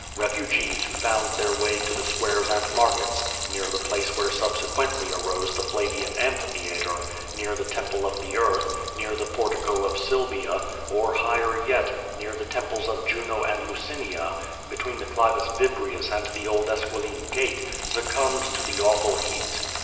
Hefugees who found their way to the squares and markets — near the place where subsequently arose the Flavian Amphi theatre, near the Temple of the Earth, near the Portico of Silvia, or, higher yet, near the temples of Juno and Lucinia, between the Clivus Vibrius and the old Esquiline Gate, suc cumbed to the awful heat.